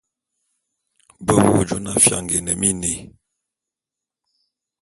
Be wo jona fianga é ne miné.